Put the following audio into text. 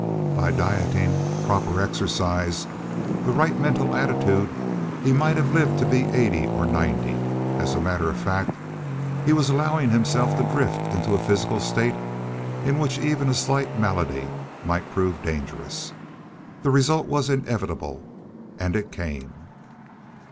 By dieting, proper exercise, the right mental attitude, he might have lived to be eighty or ninety. As a matter of fact, he was allowing himself to drift into a physical state in which even a slight malady might prove dangerous. The result was inevitable, and it came.